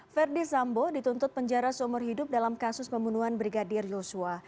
verdi sambo dituntut penjara seumur hidup dalam kasus pembunuhan brigadir yosua